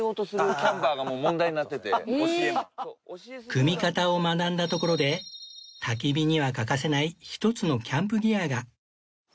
組み方を学んだところで焚き火には欠かせない一つのキャンプギアが